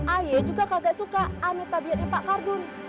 ajie juga kagak suka aneh tabiatnya pak kardun